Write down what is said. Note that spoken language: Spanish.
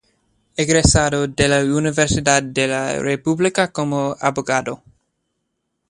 Egresado de la Universidad de la República como abogado.